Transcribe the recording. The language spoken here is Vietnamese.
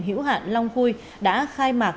hiểu hạn long khui đã khai mạc